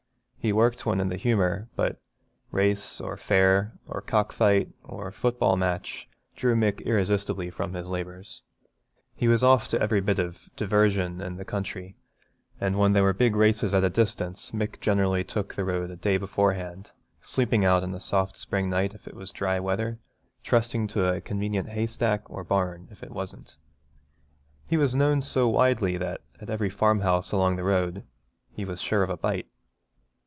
He worked when in the humour, but race, or fair, or cock fight, or football match drew Mick irresistibly from his labours. He was off to every bit of 'divarsion' in the country, and when there were big races at a distance Mick generally took the road a day beforehand, sleeping out in the soft spring night if it was dry weather, trusting to a convenient haystack or barn if it wasn't. He was known so widely that at every farmhouse along the road he was sure of a bite.